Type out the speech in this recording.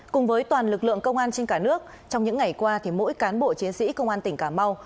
cùng với toàn lực lượng công an trên cả nước trong những ngày qua mỗi cán bộ chiến sĩ công an tỉnh cà mau